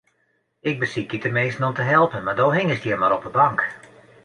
Ik besykje teminsten om te helpen, mar do hingest hjir mar op 'e bank.